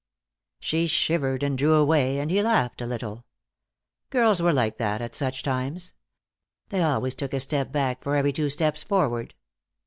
She shivered and drew away, and he laughed a little. Girls were like that, at such times. They always took a step back for every two steps forward.